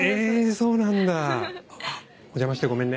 そうなんだ邪魔してごめんね。